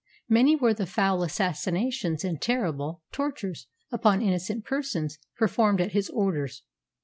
Many were the foul assassinations and terrible tortures upon innocent persons performed at his orders.